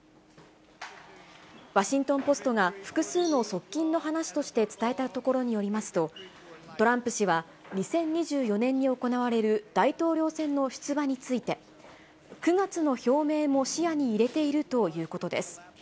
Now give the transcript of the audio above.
ワシントンポストが、複数の側近の話として伝えたところによりますと、トランプ氏は２０２４年に行われる大統領選の出馬について、９月の表明も視野に入れているということです。